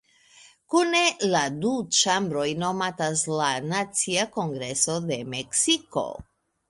Kune la du ĉambroj nomatas la "Nacia Kongreso de Meksiko".